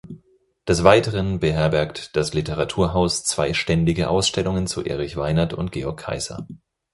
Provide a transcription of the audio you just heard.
Des Weiteren beherbergt das Literaturhaus zwei ständige Ausstellungen zu Erich Weinert und Georg Kaiser.